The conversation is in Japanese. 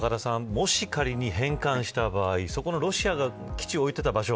もし仮に返還した場合ロシアが基地を置いていた場所